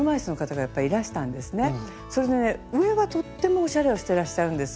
それで上はとってもおしゃれをしてらっしゃるんですよ。